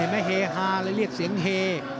เห็นไหมเฮฮะเลี่ยงเสียงเฮ